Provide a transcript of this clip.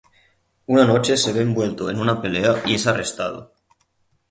Una noche se ve envuelto en una pelea y es arrestado.